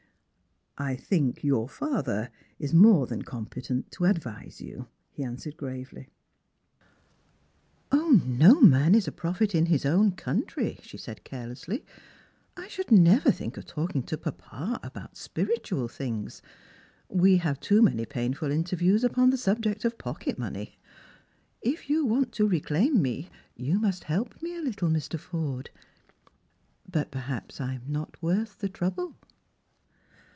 " I think your father is more than competent to advise you," he answered gravely. " 0, no man is a prophet in his own country," she said care lessly. " I should never think of talking to papa about spiritual things ; we have too many painful interviews upon the subject of pocket money. If you want to reclaim me, you must help me a little, Mr. Forde. But perhaps I am not worth the trouble?"